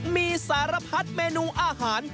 มีสารพัดเมนูอาหาร